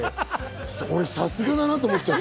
俺さすがだなと思っちゃった。